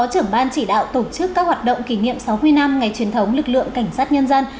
trưởng ban chỉ đạo tổ chức các hoạt động kỷ niệm sáu mươi năm ngày truyền thống lực lượng cảnh sát nhân dân